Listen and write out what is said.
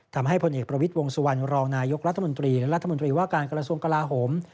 ทำให้ผลเอกประวิทย์วงสวรรค์รองนายกรัฐมนตรีและรัฐมนตรีว่าการกรสวงศ์กระลาฮม